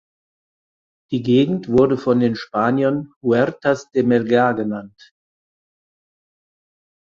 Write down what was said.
Die Gegend wurde von den Spaniern "Huertas de Melgar" genannt.